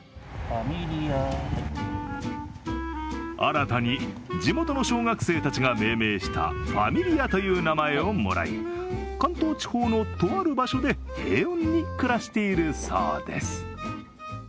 新たに地元の小学生たちが命名したファミリアという名前をもらい関東地方のとある場所で平穏に暮らしているそうです。